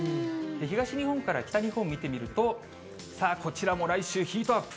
東日本から北日本を見てみると、さあ、こちらも来週、ヒートアップ。